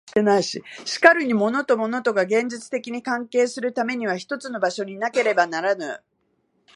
しかるに物と物とが現実的に関係するためには一つの場所になければならぬ。